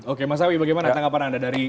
oke mas awi bagaimana tanggapan anda dari